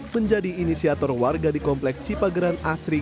menjadi inisiator warga di kompleks cipageran asri